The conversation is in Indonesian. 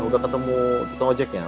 udah ketemu tukang ojeknya